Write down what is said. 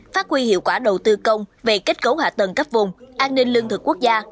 phát huy hiệu quả đầu tư công về kết cấu hạ tầng cấp vùng an ninh lương thực quốc gia